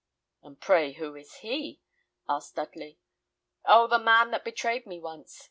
"And pray who is he?" asked Dudley. "Oh, the man that betrayed me once!"